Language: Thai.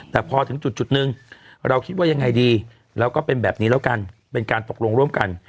แต่พอถึงจุดหนึ่งเราคิดว่ายังไงดีแล้วก็เป็นแบบนี้แล้วกันเป็นการตกลงร่วมกัน